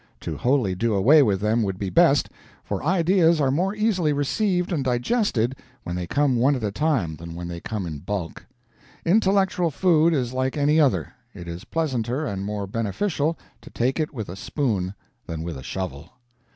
To wholly do away with them would be best, for ideas are more easily received and digested when they come one at a time than when they come in bulk. Intellectual food is like any other; it is pleasanter and more beneficial to take it with a spoon than with a shovel.